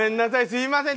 すいません。